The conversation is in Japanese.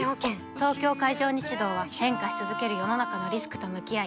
東京海上日動は変化し続ける世の中のリスクと向き合い